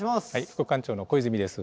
副館長の小泉です。